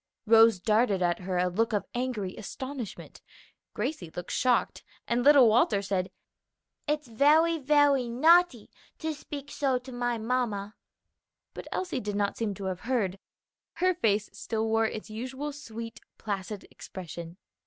Rose darted at her a look of angry astonishment, Gracie looked shocked, and little Walter said, "It's very, very naughty to speak so to my mamma." But Elsie did not seem to have heard; her face still wore its usual sweet, placid expression.